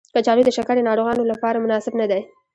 کچالو د شکرې ناروغانو لپاره مناسب ندی.